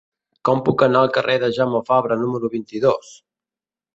Com puc anar al carrer de Jaume Fabra número vint-i-dos?